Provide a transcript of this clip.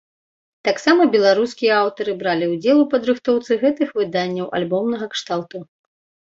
Таксама беларускія аўтары бралі ўдзел у падрыхтоўцы гэтых выданняў альбомнага кшталту.